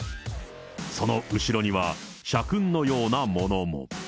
その後ろには社訓のようなものも。